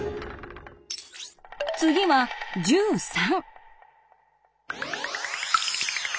次は１３。